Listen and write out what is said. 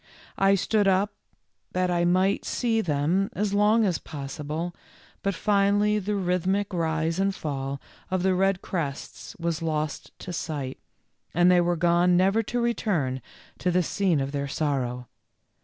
I stood up that I might see them as long as possible, but finally the rhythmic rise and fall of the red crests was lost to sight, and they were gone never to return to the scene of their sorrow.